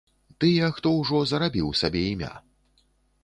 Тыя, хто ўжо зарабіў сабе імя.